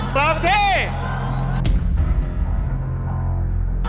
กล่องที่